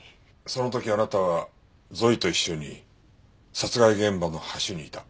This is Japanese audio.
その時あなたはゾイと一緒に殺害現場の橋にいた。